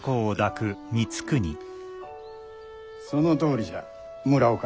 そのとおりじゃ村岡。